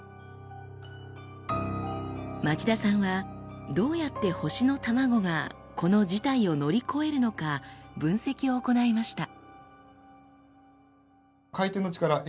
町田さんはどうやって星のタマゴがこの事態を乗り越えるのか分析を行いました。